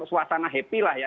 suasana happy lah ya